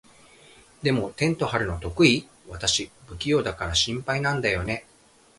でも、テント張るの得意？私、不器用だから心配なんだよね。